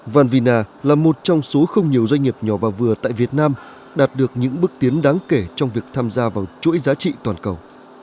van vina là một trong số không nhiều doanh nghiệp nhỏ và vừa tại việt nam đạt được những bước tiến đáng kể trong việc tham gia vào chuỗi giá trị toàn cầu